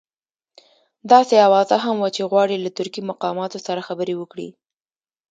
داسې اوازه هم وه چې غواړي له ترکي مقاماتو سره خبرې وکړي.